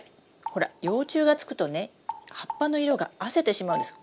ほら幼虫がつくとね葉っぱの色があせてしまうんです。